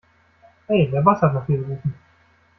Hey, der Boss hat nach dir gerufen.